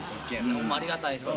ありがたいっす。